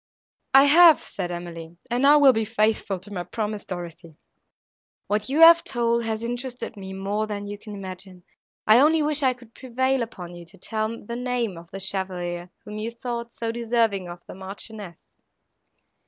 —"I have," said Emily, "and I will be faithful to my promise, Dorothée;—what you have told has interested me more than you can imagine. I only wish I could prevail upon you to tell the name of the chevalier, whom you thought so deserving of the Marchioness."